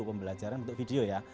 pembelajaran untuk video ya